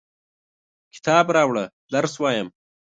کتاب راوړه ، درس وایم!